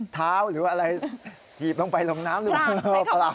เท้าหรือว่าอะไรหยีบลงไปลงน้ำหรือเปล่า